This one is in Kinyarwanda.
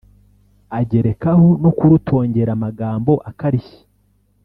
agerekaho no kurutongera amagambo akarishye